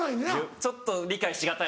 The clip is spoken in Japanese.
ちょっと理解し難い。